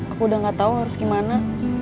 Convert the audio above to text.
aku udah gak tau harus gimana